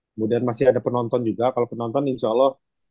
kemudian masih ada penonton juga kalau penonton insya allah